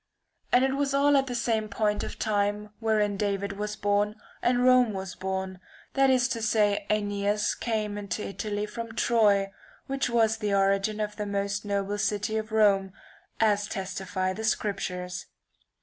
And it was all at the same point of time wherein David was born and Rome was born, that is to say £neas came into Italy from Troy, which was the origin of the most noble city of Rome, as testify the scriptures.